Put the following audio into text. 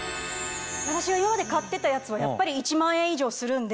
私が今まで買ってたやつはやっぱり１万円以上するんで。